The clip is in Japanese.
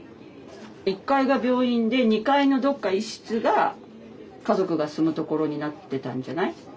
１階が病院で２階のどこか１室が家族が住むところになってたんじゃない？